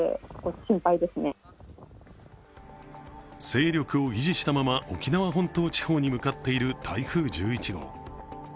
勢力を維持したまま、沖縄本島地方に向かっている台風１１号。